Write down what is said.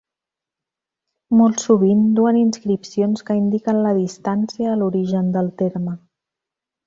Molt sovint duen inscripcions que indiquen la distància a l'origen del terme.